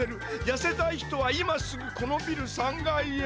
やせたい人はいますぐこのビル３かいへ」。